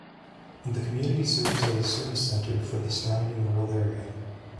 The community serves as a service centre for the surrounding rural area.